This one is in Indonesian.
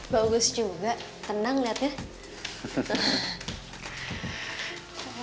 bagus juga tenang liat ya